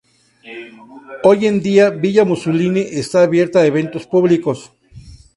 Hoy en día Villa Mussolini está abierta a eventos públicos.